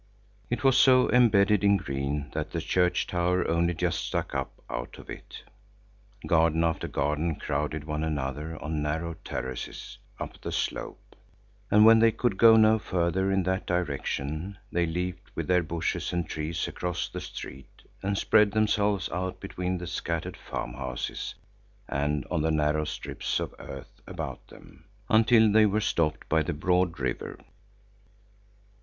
It was so embedded in green that the church tower only just stuck up out of it. Garden after garden crowded one another on narrow terraces up the slope, and when they could go no further in that direction, they leaped with their bushes and trees across the street and spread themselves out between the scattered farmhouses and on the narrow strips of earth about them, until they were stopped by the broad river.